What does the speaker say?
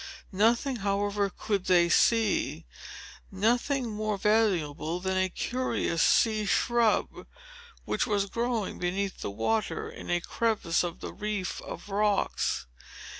Nothing, however, could they see; nothing more valuable than a curious sea shrub, which was growing beneath the water, in a crevice of the reef of rocks.